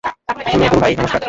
গুরু ভাই, নমস্কার!